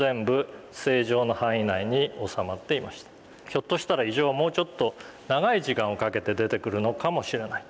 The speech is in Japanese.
ひょっとしたら異常はもうちょっと長い時間をかけて出てくるのかもしれない。